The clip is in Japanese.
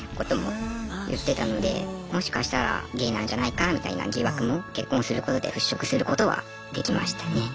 もしかしたらゲイなんじゃないかみたいな疑惑も結婚することで払拭することはできましたね。